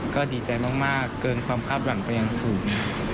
ก็ดีใจมากเกินความคาดหวังไปยังศูนย์